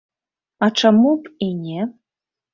А чаму б і не?